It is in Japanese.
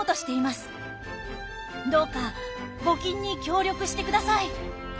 どうか募金に協力してください。